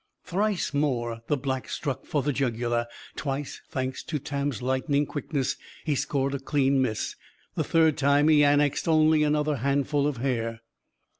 Thrice more, the Black struck for the jugular. Twice, thanks to Tam's lightning quickness, he scored a clean miss. The third time, he annexed only another handful of hair.